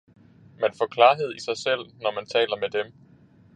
Man får klarhed i sig selv, når man taler med Dem.